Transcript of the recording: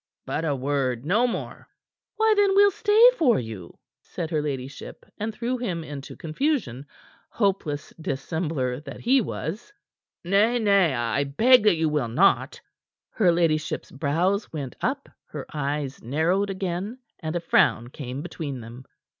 "But a word no more." "Why, then, we'll stay for you," said her ladyship, and threw him into confusion, hopeless dissembler that he was. "Nay, nay! I beg that you will not." Her ladyship's brows went up; her eyes narrowed again, and a frown came between them.